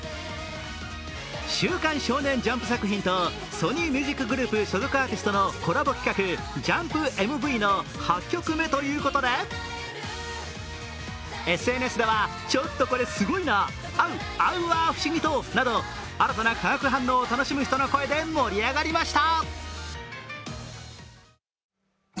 「週刊少年ジャンプ」作品とソニー・ミュージックグループ所属アーティストのコラボ企画「ＪＵＭＰＭＶ」の８曲目ということでＳＮＳでは、新たな化学反応を楽しむ人の声で盛り上がりました。